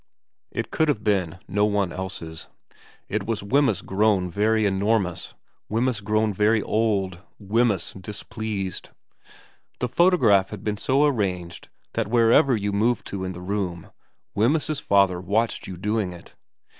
It could have been no one else's. It was Wemyss grown very enormous, Wemyss grown very old, Wemyss displeased. The photograph had been so arranged that wherever you moved to in the room Wemyss's father watched you doing it.